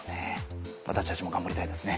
私たちも頑張りたいですね。